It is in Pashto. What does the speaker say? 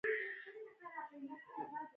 آیا خصوصي امنیتي شرکتونه شته؟